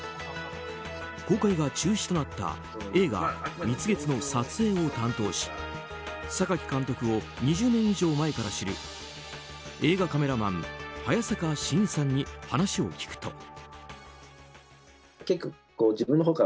公開が中止となった映画「蜜月」の撮影を担当し榊監督を２０年以上前から知る映画カメラマン早坂伸さんに話を聞くと。